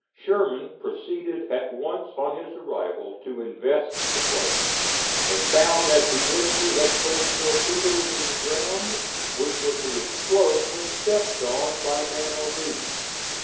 Sherman proceeded at once on his arrival to invest the place, and found that the enemy had placed torpedoes in the ground, which were to explode when stepped on by man or beast.